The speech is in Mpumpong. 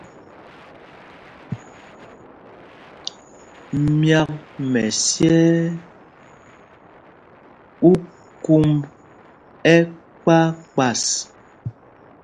Myâk mɛsyɛɛ ú kumb ɛkpas kpas.